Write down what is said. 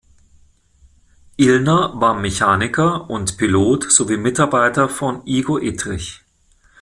Illner war Mechaniker und Pilot sowie Mitarbeiter von Igo Etrich.